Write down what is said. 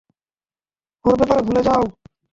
ওর ব্যাপারে ভুলে যাও।